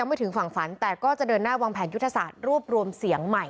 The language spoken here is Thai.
ว่าจะเดินหน้าวางแผนยุทธศาสตร์รวบรวมเสียงใหม่